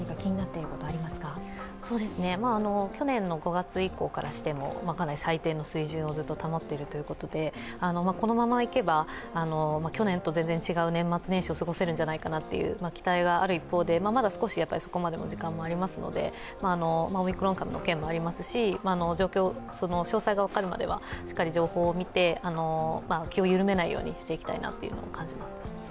去年の５月以降からしてもかなり最低の水準をずっと保っているということで、このままいけば去年と全然違う年末年始を過ごせるんじゃないかという期待がある一方で、まだ少しそこまでの時間もありますので、オミクロン株の件もありますし、詳細が分かるまではしっかり情報をみて、気を緩めないようにしていきたいと感じますね。